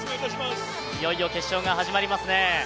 いよいよ決勝が始まりますね。